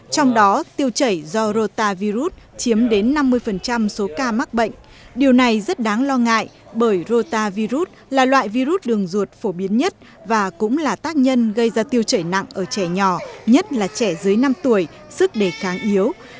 trong đó tiêu chảy do rota virus chiếm đến năm mươi số ca mắc bệnh điều này rất đáng lo ngại bởi rota virus là loại virus đường ruột phổ biến nhất và cũng là tác nhân gây ra tiêu chảy nặng ở trẻ nhỏ nhất là trẻ dưới năm tuổi sức đề kháng yếu